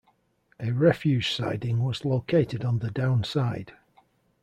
A refuge siding was located on the down side.